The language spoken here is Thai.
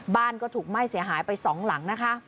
บ้านก็ถูกไหม้เสียหายไป๒หลังนะคะ